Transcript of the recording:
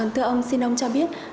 thưa ông xin ông cho biết